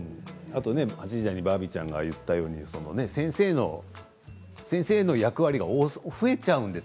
８時台にはバービーちゃんが言ったように先生の役割が増えちゃうのでね